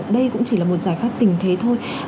đây cũng chỉ là một giải pháp tình thế thôi